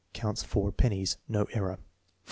Counts 4 pennies. (No error.) 4.